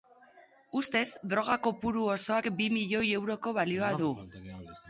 Ustez, droga kopuru osoak bi milioi euroko balioa du.